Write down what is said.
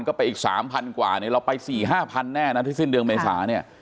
ก็ไปอีก๓๐๐กว่าเนี่ยเราไป๔๕๐๐แน่นะที่สิ้นเดือนเมษาเนี่ย